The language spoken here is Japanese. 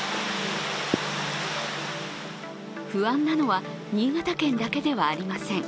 不安なのは新潟県だけではありません。